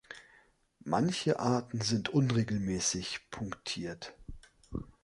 Manche Arten sind unregelmäßig punktiert.